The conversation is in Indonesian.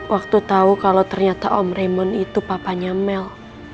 waktu tau kalau ternyata om raymond itu papanya mel